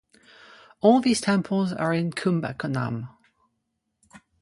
All these temples are in Kumbakonam.